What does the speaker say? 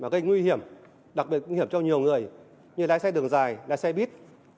gây nguy hiểm đặc biệt nguy hiểm cho nhiều người như lái xe đường dài lái xe buýt